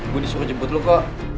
gue disuruh jemput lu kok